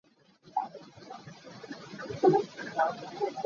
Catlap in ca kan ṭial.